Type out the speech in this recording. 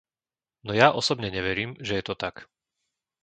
No ja osobne neverím, že je to tak.